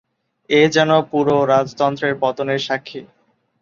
এ যেন পুরো রাজতন্ত্রের পতনের সাক্ষী।